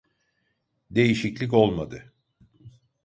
Değişiklik olmadı